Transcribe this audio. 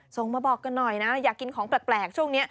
ส่งมาบอกกันหน่อยนะอยากกินของแปลกช่วงนี้